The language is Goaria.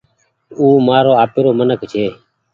او مآرو آپيري منک ڇي